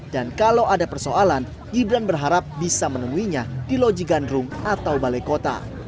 dan kalau ada persoalan gibran berharap bisa menemuinya di lojikan rung atau balai kota